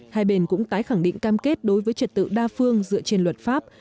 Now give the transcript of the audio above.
hai bên cũng tái khẳng định cam kết đối với trật tự đa phương dựa trên luật pháp